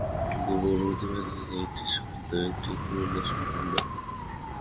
পূর্ব অনুভূতি ব্যতীত একটির সহিত আর একটির তুলনাও সম্ভব নয়।